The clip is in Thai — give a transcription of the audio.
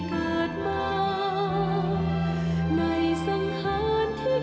ถ้าเจ้าไม่ได้รับข้อบทิศ